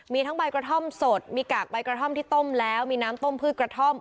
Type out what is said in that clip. มีทั้งใบกระท่อมสดมีกากใบกระท่อมที่ต้มแล้วมีน้ำต้มพืชกระท่อม